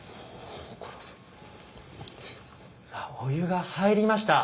さあお湯が入りました。